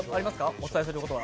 お伝えすることは。